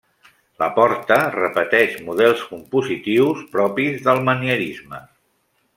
La porta repeteix models compositius propis del manierisme.